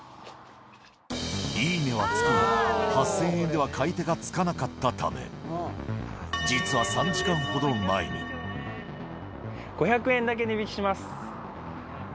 いいねはつくが、８０００円では買い手がつかなかったため、５００円だけ値引きします。